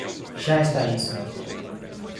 Xa está iso.